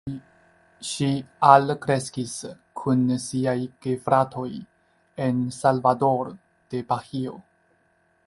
Ŝi alkreskis kun siaj gefratoj en Salvador de Bahio.